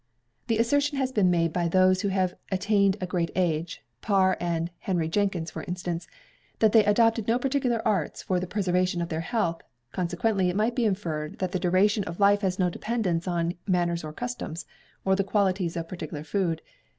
The assertion has been made by those who have attained a great age (Parr, and Henry Jenkins, for instance), that they adopted no particular arts for the preservation of their health; consequently, it might be inferred that the duration of life has no dependence on manners or customs, or the qualities of particular food.